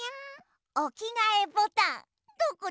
おきがえボタンどこ？